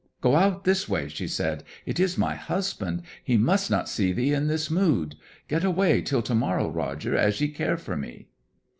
'Go out this way,' she said. 'It is my husband. He must not see thee in this mood. Get away till to morrow, Roger, as you care for me.'